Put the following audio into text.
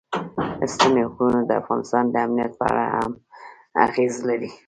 ستوني غرونه د افغانستان د امنیت په اړه هم اغېز لري.